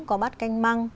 có bát canh măng